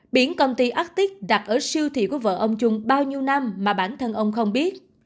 biển công ty arctic đặt ở siêu thị của vợ ông trung bao nhiêu năm mà bản thân ông không biết